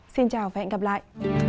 xin chào và hẹn gặp lại